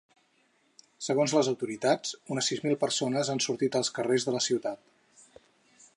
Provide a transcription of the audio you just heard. Segons les autoritats, unes sis mil persones han sortit als carrers de la ciutat.